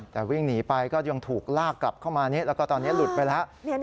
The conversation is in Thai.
แต่วิ่งหนีไปก็ยังถูกลากกลับเข้ามานี้แล้วก็ตอนนี้หลุดไปแล้ว